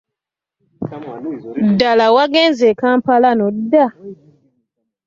Ddala wagenze e Kampala n'odda?